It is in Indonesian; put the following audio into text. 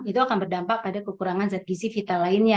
itu akan berdampak pada kekurangan zat gizi vital lainnya